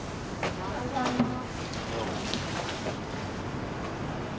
おはようございます。